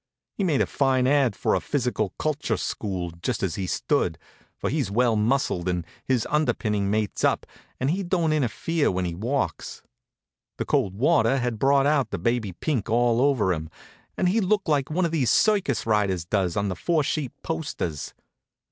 He'd made a fine ad. for a physical culture school, just as he stood; for he's well muscled, and his underpinning mates up, and he don't interfere when he walks. The cold water had brought out the baby pink all over him, and he looked like one of these circus riders does on the four sheet posters.